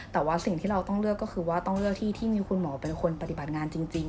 แต่ว่าสิ่งที่เราต้องเลือกก็คือว่าต้องเลือกที่ที่มีคุณหมอเป็นคนปฏิบัติงานจริง